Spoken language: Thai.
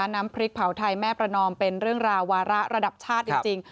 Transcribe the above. น้ำพริกเผาไทยแม่ประนอมเป็นเรื่องราววาระระดับชาติจริง